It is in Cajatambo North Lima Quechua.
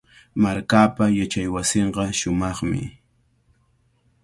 Markaapa yachaywasinqa shumaqmi.